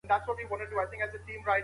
چې په ساحل ویده وي